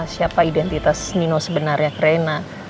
siapa identitas nino sebenarnya ke reina